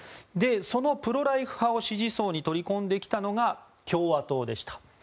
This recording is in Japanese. そのプロ・ライフ派を支持層に取り込んできたのが共和党でした。